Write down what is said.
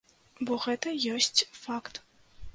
Бо гэта ёсць факт.